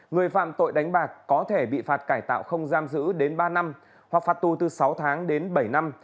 người phạm tội đánh bạc có thể bị phạt cải tạo không giam giữ đến ba năm hoặc phạt tu từ sáu tháng đến bảy năm